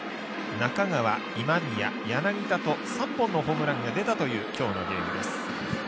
中川、今宮、柳田と３本のホームランが出たという今日のゲームです。